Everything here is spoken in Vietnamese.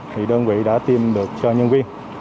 thì đơn vị đã tiêm được cho nhân viên